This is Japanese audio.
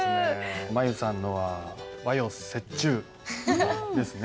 舞悠さんのは和洋折衷ですね。